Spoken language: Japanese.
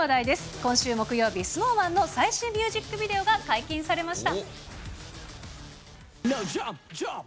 今週木曜日、ＳｎｏｗＭａｎの最新ミュージックビデオが解禁されました。